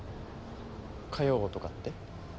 火曜とかって？